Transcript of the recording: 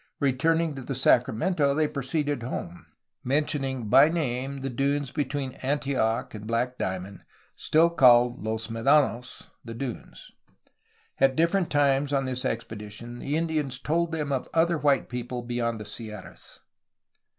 Returning to the Sacra mento, they proceeded home, mentioning by name the dunes between Antioch and Black Diamond still called Los Medanos (the dunes). At different times on this expedition the Indians told them of other white people beyond the Sierras.